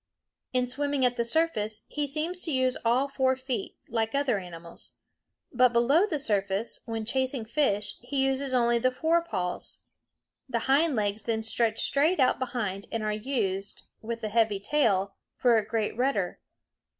In swimming at the surface he seems to use all four feet, like other animals. But below the surface, when chasing fish, he uses only the fore paws. The hind legs then stretch straight out behind and are used, with the heavy tail, for a great rudder.